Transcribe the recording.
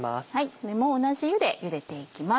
これも同じ湯でゆでていきます。